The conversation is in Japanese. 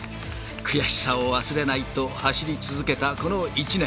悔しさを忘れないと、走り続けた、この１年。